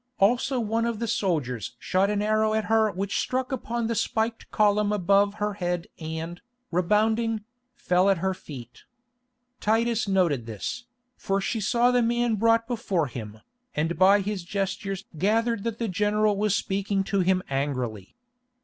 Also one of the soldiers shot an arrow at her which struck upon the spiked column above her head and, rebounding, fell at her feet. Titus noted this, for she saw the man brought before him, and by his gestures gathered that the general was speaking to him angrily.